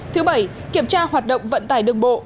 thứ bảy kiểm tra hoạt động vận tải đường bộ